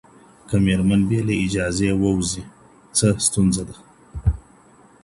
که ميرمن بيله اجازې ووځي څه ستونزه ده؟